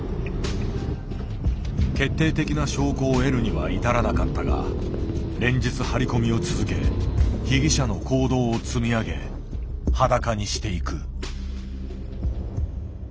決定的な証拠を得るには至らなかったが連日張り込みを続け被疑者の行動を積み上げ裸にしていく。